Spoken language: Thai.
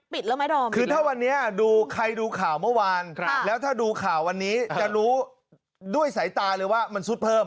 ไหมดอมคือถ้าวันนี้ดูใครดูข่าวเมื่อวานแล้วถ้าดูข่าววันนี้จะรู้ด้วยสายตาเลยว่ามันซุดเพิ่ม